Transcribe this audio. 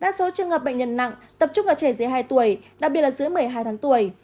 đa số trường hợp bệnh nhân nặng tập trung ở trẻ dưới hai tuổi đặc biệt là dưới một mươi hai tháng tuổi